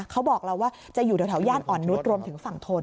เขาบอกเราว่าจะอยู่แถวย่านอ่อนนุษย์รวมถึงฝั่งทน